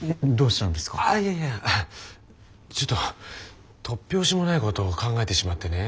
ちょっと突拍子もないことを考えてしまってね。